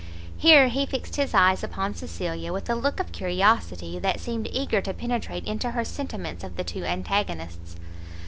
Here he fixed his eyes upon Cecilia, with a look of curiosity that seemed eager to penetrate into her sentiments of the two antagonists.